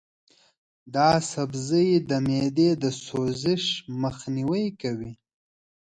دا سبزی د معدې د سوزش مخنیوی کوي.